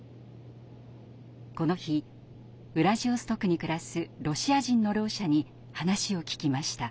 この日ウラジオストクに暮らすロシア人のろう者に話を聞きました。